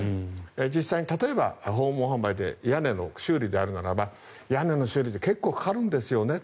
実際に例えば、訪問販売で屋根の修理であるならば屋根の修理で結構かかるんですよねって